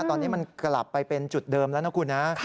ตอนนี้มันกลับไปเป็นจุดเดิมแล้วนะคุณนะ